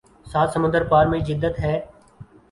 سات سمندر پار میں جدت ہے